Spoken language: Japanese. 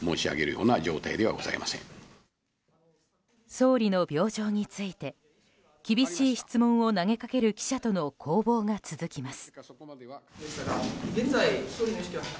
総理の病状について厳しい質問を投げかける記者との攻防が続きます。